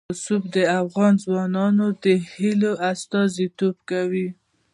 رسوب د افغان ځوانانو د هیلو استازیتوب کوي.